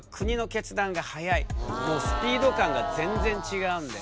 もうスピード感が全然違うんだよね。